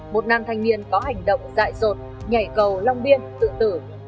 một nam thanh niên có hành động dại rột nhảy cầu long biên tự tử